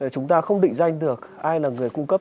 chúng ta không định danh được ai là người cung cấp